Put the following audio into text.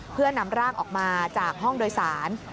เพื่อนำร่างออกมาจากห้องโดยสาร